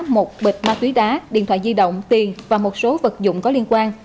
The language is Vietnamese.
một bịch ma túy đá điện thoại di động tiền và một số vật dụng có liên quan